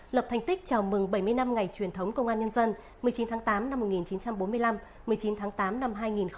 lập thành tích chào mừng bảy mươi năm ngày truyền thống công an nhân dân một mươi chín tháng tám năm một nghìn chín trăm bốn mươi năm